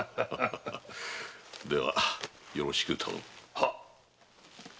ではよろしく頼む。